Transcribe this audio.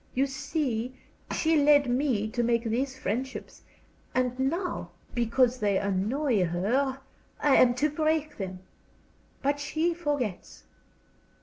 You see, she led me to make these friendships; and now, because they annoy her, I am to break them. But she forgets.